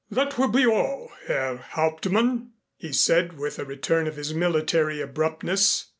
"That will be all, Herr Hauptmann " he said, with a return of his military abruptness.